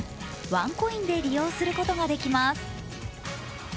ワンコインで利用することができます。